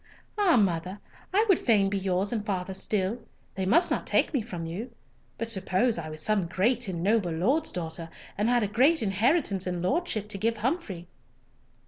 "Ah, mother, I would fain be yours and father's still. They must not take me from you. But suppose I was some great and noble lord's daughter, and had a great inheritance and lordship to give Humfrey!"